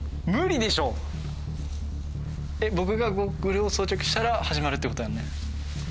僕がゴーグルを装着したら始まるって事だよね。